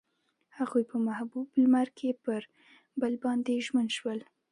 هغوی په محبوب لمر کې پر بل باندې ژمن شول.